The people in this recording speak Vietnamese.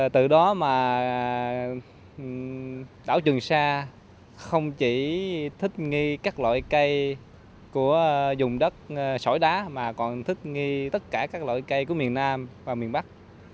từ đó mà đảo trường sa không chỉ thích nghi các loại cây của dùng đất sỏi đá mà còn thích nghi tất cả các loại cây của miền nam và miền bắc